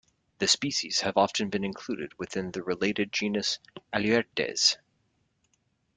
The species have often been included within the related genus "Aleurites".